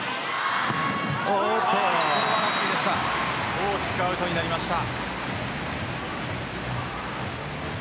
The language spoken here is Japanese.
大きくアウトになりました。